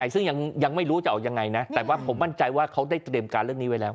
ซึ่งยังไม่รู้จะเอายังไงนะแต่ว่าผมมั่นใจว่าเขาได้เตรียมการเรื่องนี้ไว้แล้ว